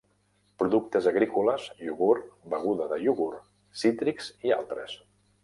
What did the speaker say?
Productes agrícoles, iogurt, beguda de iogurt, cítrics i altres.